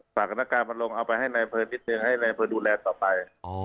ฝากให้นักการพัาโลงเอาไปให้นายเพลินดูแลต่อไป